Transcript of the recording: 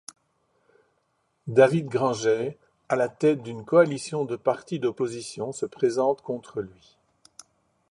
David Granger à la tête d'une coalition de partis d'opposition se présente contre lui.